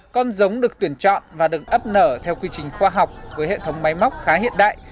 con giống được tuyển chọn và được ấp nở theo quy trình khoa học với hệ thống máy móc khá hiện đại